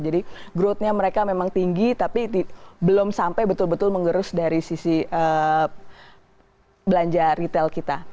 jadi growthnya mereka memang tinggi tapi belum sampai betul betul mengerus dari sisi belanja retail kita